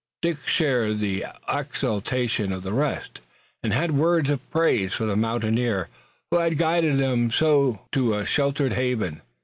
Dick shared the exaltation of the rest, and had words of praise for the mountaineer who had guided them to so sheltered a haven.